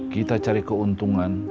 kita cari keuntungan